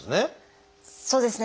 そうですね。